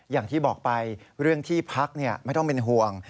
อย่างที่บอกไปเรื่องที่พักไม่ต้องเป็นห่วง